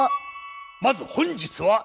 まず本日は。